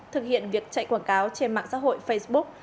thực hiện việc chạy quảng cáo trên mạng xã hội facebook